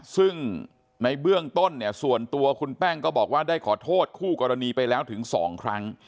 ซึ่งในเบื้องต้นเนี่ยส่วนตัวคุณแป้งก็บอกว่าได้ขอโทษคู่กรณีไปแล้วถึง๒ครั้ง